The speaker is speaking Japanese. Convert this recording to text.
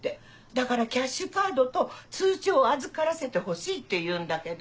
だからキャッシュカードと通帳を預からせてほしいって言うんだけど。